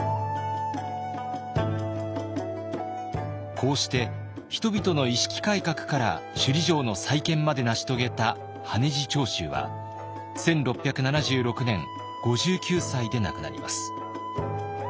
こうして人々の意識改革から首里城の再建まで成し遂げた羽地朝秀は１６７６年５９歳で亡くなります。